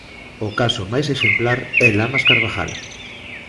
O caso máis exemplar é Lamas Carvajal.